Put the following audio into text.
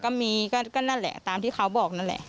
ก็มีก็นั่นแหละตามที่เขาบอกนั่นแหละ